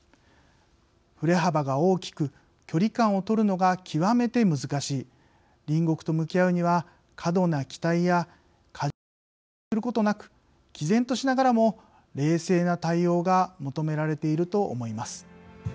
振れ幅が大きく距離感を取るのが極めて難しい隣国と向き合うには過度な期待や過剰な反応をすることなくきぜんとしながらも冷静な対応が求められていると思います。